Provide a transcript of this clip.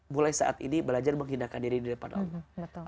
mulai saat ini belajar menghinakan diri di depan allah